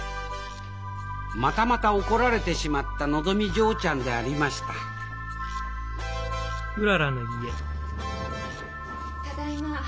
またまた怒られてしまったのぞみ嬢ちゃんでありましたただいま。